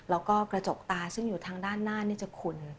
แล้วก็กระจกตาซึ่งอยู่ทางด้านหน้านี่จะขุ่น